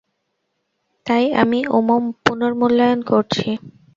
তাই আমি, উম, পুনর্মূল্যায়ন করছি।